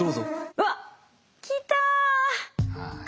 うわっ！来た蚊だ！